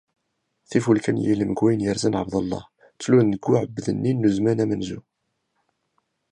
Tifulka n yilem, deg wayen yerzan Ɛebdellah, tlul-d deg uɛbad-nni n zzman amenzu.